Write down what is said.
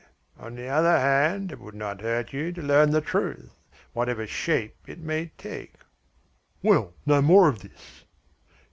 On the other hand, it would not hurt you to learn the truth, whatever shape it may take." "Well, no more of this."